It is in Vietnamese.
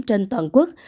trên toàn quốc